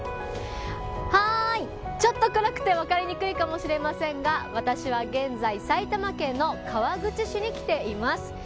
ちょっと暗くて分かりにくいかもしれませんが現在、埼玉県の川口市に来ています。